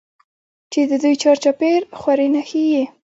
چې د دوى چار چاپېر خورې نښي ئې